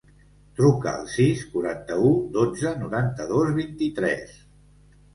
Truca al sis, quaranta-u, dotze, noranta-dos, vint-i-tres.